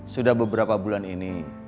sudah beberapa bulan ini